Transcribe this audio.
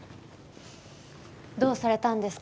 どうされたんですか？